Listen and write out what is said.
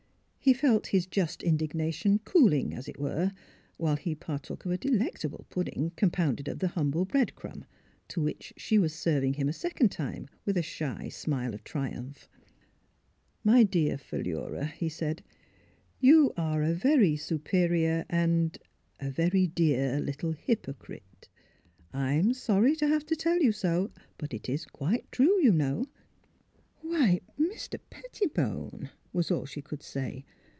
He felt his just indignation cooling, as it were, while he partook of a delectable pudding compounded of the humble bread crumb, to which she was serving him a second time with a shy smile of triumph. '' My dear Philura, '' he said, '' you are a very superior and — er — a very dear little hypocrite. I'm sorry to have to tell you so. But it is quite true, you know." " Why — Mis ter Pettibone! " was all she could say.